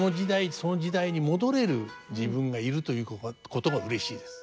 その時代に戻れる自分がいるということもうれしいです。